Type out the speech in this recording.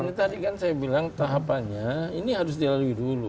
kalau tadi kan saya bilang tahapannya ini harus dilalui dulu